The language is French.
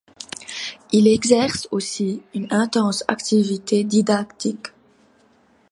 Il exerce aussi une intense activité didactique.